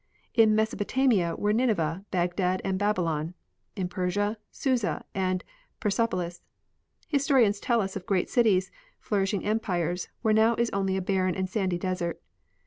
In Mesopotamia Avere Ninevah, Bagdad and Babylon ; in Persia, Susa and Persopolis. Historians tell us of great cities, flourishing empires, where now is onl}^ a barren and sandy desert.